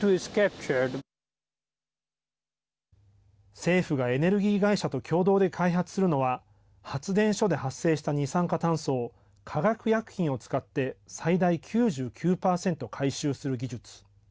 政府がエネルギー会社と共同で開発するのは発電所で発生した二酸化炭素を化学薬品を使って最大９９％回収する技術。